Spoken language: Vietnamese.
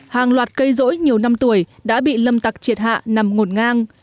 hàng loạt cây rỗi nhiều năm tuổi đã bị lâm tặc triệt hạ nằm ngổn ngang